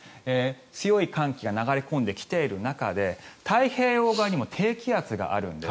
強い寒気が流れ込んできている中で太平洋側にも低気圧があるんです。